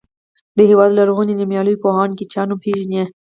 د هېواد له لرغونو نومیالیو پوهانو کې چا نوم پیژنئ.